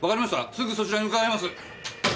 すぐそちらへ向かいます。